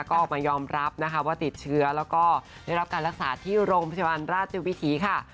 ก็ออกมายอมรับนะคะว่าติดเชื้อแล้วก็ได้รับการรักษาที่โรงพยาบาลราชวิถีค่ะ